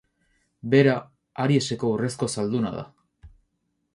Bera, Arieseko urrezko zalduna da.